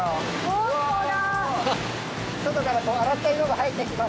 ◆本当だ。